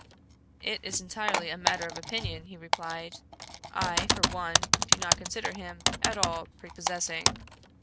"It is entirely a matter of opinion," he replied. "I, for one, do not consider him at all prepossessing."